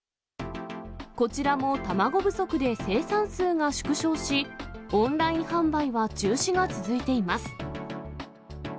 こちらも卵不足で生産数が縮小し、オンライン販売は中止が続いています。